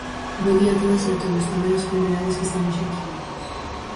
Bo día a todas e a todos, tamén ás convidadas que están hoxe aquí.